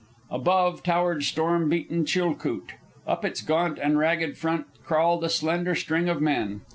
Above towered storm beaten Chilcoot. Up its gaunt and ragged front crawled a slender string of men.